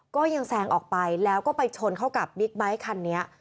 ก็ยังแซงออกไปแล้วก็ไปชนเข้ากับบิ๊กไบท์คันนี้